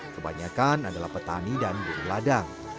kebanyakan adalah petani dan burung ladang